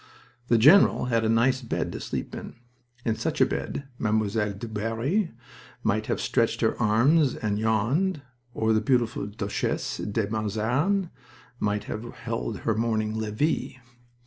The general had a nice bed to sleep in. In such a bed Mme. du Barry might have stretched her arms and yawned, or the beautiful Duchesse de Mazarin might have held her morning levee.